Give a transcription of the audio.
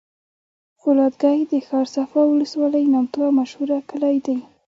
فولادګی د ښارصفا ولسوالی نامتو او مشهوره کلي دی